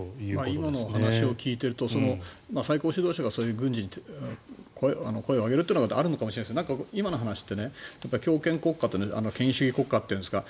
今の話を聞いていると最高指導者が軍事に声を上げるというのはあるのかもしれないですが今の話って強権国家というか権威主義国家というか。